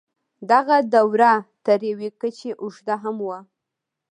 دغه دوره تر یوې کچې اوږده هم وه.